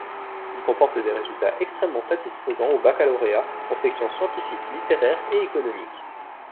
Il comporte des résultats extrêmement satisfaisants au Baccalauréat en section scientifique, littéraire et économique.